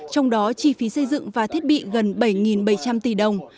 trong đó chi phí xây dựng và thiết bị gần bảy bảy trăm linh tỷ đồng